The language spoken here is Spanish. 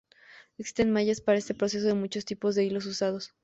Existen mallas para este proceso de muchos tipos de hilos usados.